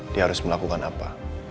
dia harus melakukan apa